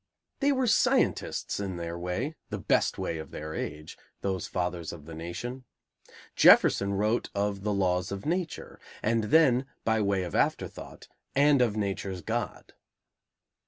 They were scientists in their way, the best way of their age, those fathers of the nation. Jefferson wrote of "the laws of Nature," and then by way of afterthought, "and of Nature's God."